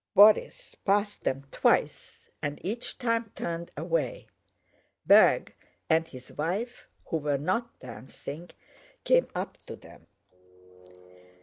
Borís passed them twice and each time turned away. Berg and his wife, who were not dancing, came up to them.